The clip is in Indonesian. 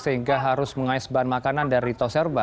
sehingga harus mengais bahan makanan dari tos herba